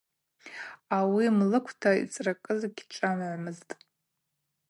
Ауи млыквта йцракӏыз гьчӏвагӏвамызтӏ.